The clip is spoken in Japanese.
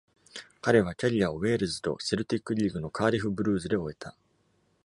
彼はキャリアをウェールズと、セルティックリーグのカーディフ・ブルーズで終えた。